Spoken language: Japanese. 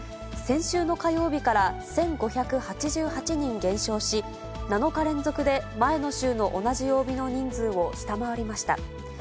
先週の火曜日から１５８８人減少し、７日連続で前の週の同じ曜日の人数を下回りました。